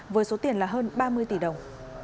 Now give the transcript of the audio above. với số tiền là hơn ba mươi tỷ đồng